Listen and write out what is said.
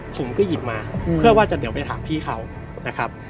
ผมก็หยิบมาเพื่อว่าจะเดี๋ยวไปถามพี่เขานะครับ